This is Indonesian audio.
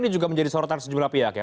jadi sorotan sejumlah pihak ya